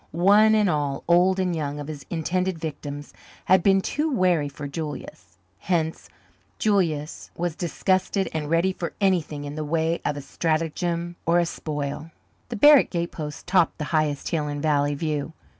One and all, old and young, of his intended victims had been too wary for Julius. Hence, Julius was disgusted and ready for anything in the way of a stratagem or a spoil. The Barrett gatepost topped the highest hill in Valley View.